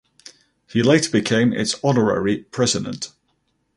He later became its honorary president.